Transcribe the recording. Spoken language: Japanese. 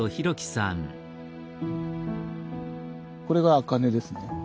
これが茜ですね。